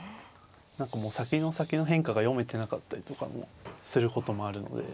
何かもう先の先の変化が読めてなかったりとかもすることもあるので。